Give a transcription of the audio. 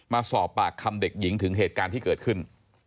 มาสอบปากคำเด็กหญิงถึงเหตุการณ์ที่เกิดขึ้น